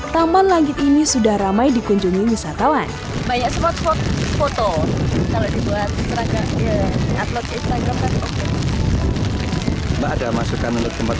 taman langit ini sudah ramai dikunjungi wisatawan